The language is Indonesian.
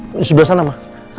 sini sebelah sana ma